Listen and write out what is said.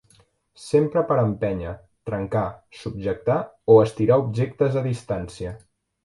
S'empra per empènyer, trencar, subjectar o estirar objectes a distància.